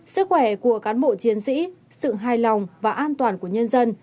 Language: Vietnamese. sức khỏe của cán bộ chiến sĩ sự hài lòng và an toàn của nhân dân